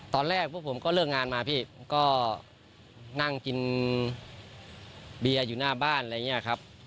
พวกผมก็เลิกงานมาพี่ก็นั่งกินเบียร์อยู่หน้าบ้านอะไรอย่างนี้ครับ